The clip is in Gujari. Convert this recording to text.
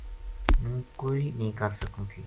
ہوں کوئی نیہہ کر سکوں تھی